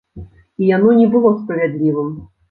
І яно не было справядлівым.